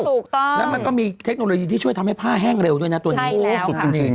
ถูกต้องมันก็มีเทคโนโลยีที่ช่วยทำให้ผ้าแห้งเร็วนึงตัวนี้สุดท้ายนี่